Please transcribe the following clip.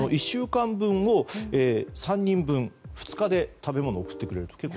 １週間分を３人分２日で食べ物を送ってくれると。